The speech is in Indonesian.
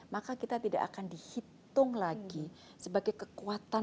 maka kita tidak akan dihitung lagi sebagai kekuatan